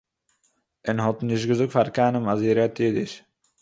און האָט נישט געזאָגט פאַר קיינעם אַז זי רעדט אידיש